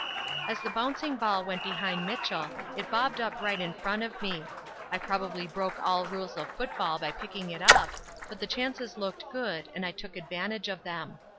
"As the bouncing ball went behind Mitchell it bobbed up right in front of me. I probably broke all rules of football by picking it up, but the chances looked good and I took advantage of them.